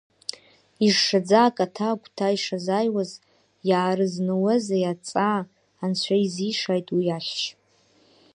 Ишшаӡа акаҭа агәҭа ишазааиуаз иаарызнаузеи аҵаа анцәа иазишааит уи ахьшь.